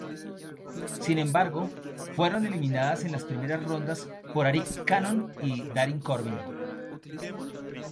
Sin embargo, fueron eliminadas en la primera ronda por Arik Cannon y Darin Corbin.